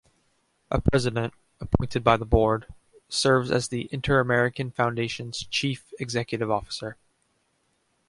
A president, appointed by the board, serves as the Inter-American Foundation's chief executive officer.